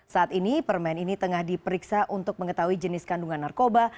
saat ini permen ini tengah diperiksa untuk mengetahui jenis kandungan narkoba